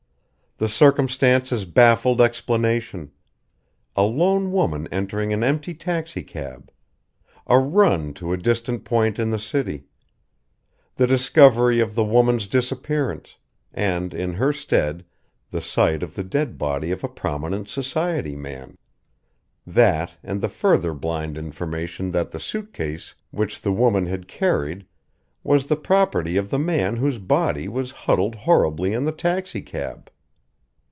The circumstances baffled explanation a lone woman entering an empty taxicab; a run to a distant point in the city; the discovery of the woman's disappearance, and in her stead the sight of the dead body of a prominent society man that, and the further blind information that the suit case which the woman had carried was the property of the man whose body was huddled horribly in the taxicab.